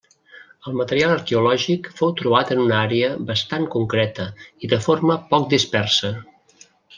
El material arqueològic fou trobat en una àrea bastant concreta i de forma poc dispersa.